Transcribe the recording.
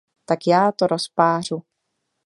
Tak já to rozpářu.